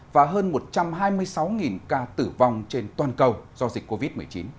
và hơn một trăm hai mươi sáu ca tử vong trên toàn cầu do dịch covid một mươi chín